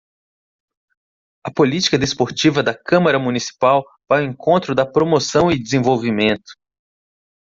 A política desportiva da Câmara Municipal vai ao encontro da promoção e desenvolvimento.